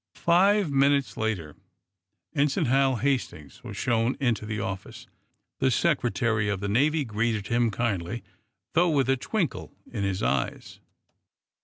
Five minutes later Ensign Hal Hastings was shown into the office. The Secretary of the Navy greeted him kindly, though with a twinkle in his eyes.